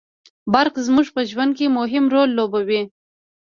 برق زموږ په ژوند کي مهم رول لوبوي